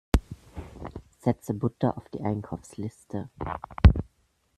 Setze Butter auf die Einkaufsliste!